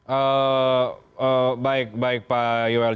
eee baik baik pak yuel